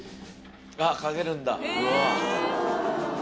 あっかけるんだ。